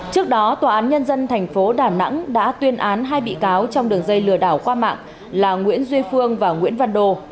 trước đó tòa án nhân dân thành phố đà nẵng đã tuyên án hai bị cáo trong đường dây lừa đảo qua mạng là nguyễn duy phương và nguyễn văn đô